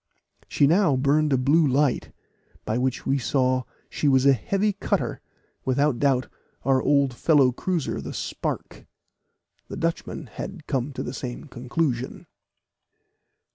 She now burned a blue light, by which we saw she was a heavy cutter without doubt our old fellow cruiser the Spark. The Dutchman had come to the same conclusion.